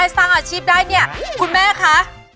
สร้างอาชีพได้เนี่ยคุณแม่คะ